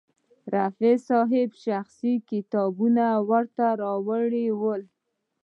رفیع صاحب شخصي کتابونه ورته راوړي ول.